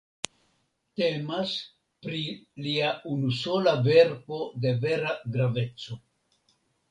Temas pri lia unusola verko de vera graveco.